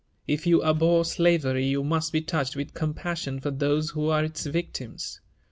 If you abhor slavery, you must be touched with compassion for those who are its victims.